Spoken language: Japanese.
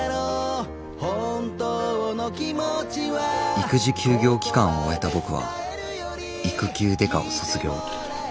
育児休業期間を終えた僕は育休刑事を卒業。